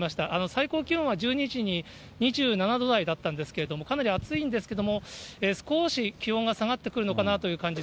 最高気温は１２時に２７度台だったんですけれども、かなり暑いんですけども、少し気温が下がってくるのかなという感じ。